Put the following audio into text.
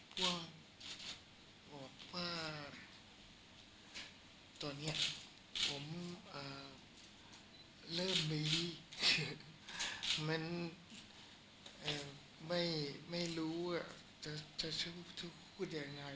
ก็บอกว่าตอนนี้ผมเริ่มมีไม่รู้ว่าจะพูดยังไง